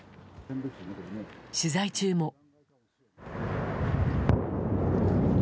取材中も。